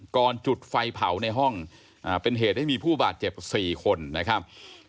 ก่อนจุดไฟเผาในห้องเป็นเหตุให้มีผู้บาดเจ็บ๔คนนะครับ